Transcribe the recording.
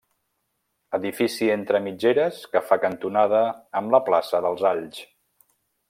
Edifici entre mitgeres que fa cantonada amb la plaça dels Alls.